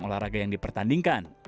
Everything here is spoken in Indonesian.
cabang olahraga yang dipertandingkan